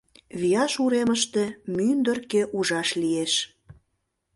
Вияш уремыште мӱндыркӧ ужаш лиеш.